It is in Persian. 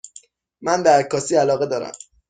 من به عکاسی علاقه دارم.